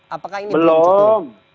apakah ini belum cukup